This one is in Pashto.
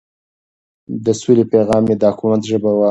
د سولې پيغام يې د حکومت ژبه وه.